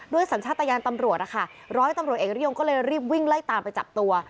สัญชาติยานตำรวจนะคะร้อยตำรวจเอกนิยมก็เลยรีบวิ่งไล่ตามไปจับตัว